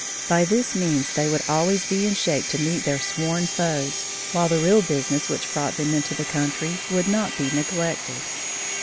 By this means, they would always be in shape to meet their sworn foes, while the real business which brought them into the country would not be neglected.